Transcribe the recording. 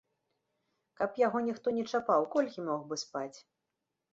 Каб яго ніхто не чапаў, колькі мог бы спаць?